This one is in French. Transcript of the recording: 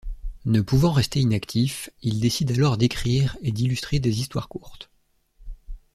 Ne pouvant rester inactif, il décide alors d'écrire et d'illustrer des histoires courtes.